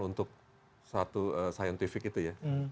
untuk satu penyelidikan